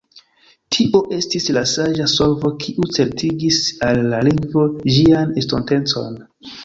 Tio estis la saĝa solvo, kiu certigis al la lingvo ĝian estontecon.